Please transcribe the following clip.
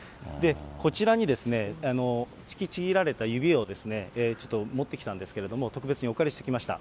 こちらにですね、引きちぎられた指をちょっと持ってきたんですけれども、特別にお借りしてきました。